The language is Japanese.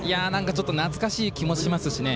ちょっと懐かしい気もしますしね。